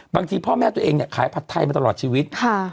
พ่อแม่ตัวเองเนี่ยขายผัดไทยมาตลอดชีวิต